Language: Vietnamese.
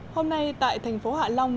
hôm nay tại thành phố hạ long